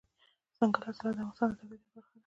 دځنګل حاصلات د افغانستان د طبیعت یوه برخه ده.